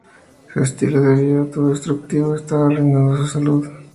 Su estilo de vida autodestructivo estaba arruinando su salud.